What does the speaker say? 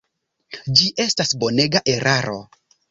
Ĝi estas bonega eraro.